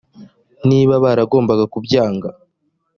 niba baragombaga kubyanga